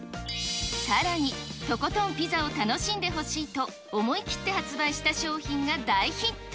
さらに、トコトンピザを楽しんでほしいと思い切って発売した商品が大ヒット。